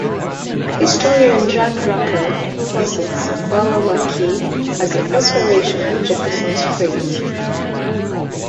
Historian Jack Rakove posits Burlamaqui as the inspiration for Jefferson's phrase.